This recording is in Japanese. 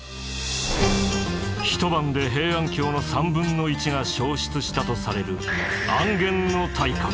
一晩で平安京の３分の１が焼失したとされる安元の大火。